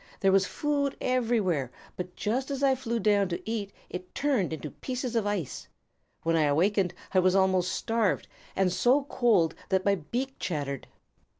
There was food everywhere, but just as I flew down to eat, it turned into pieces of ice. When I awakened I was almost starved and so cold that my beak chattered."